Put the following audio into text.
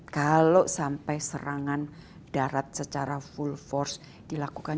kalau sampai serangan darat secara full force dilakukan